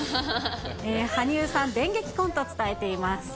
羽生さん、電撃婚と伝えています。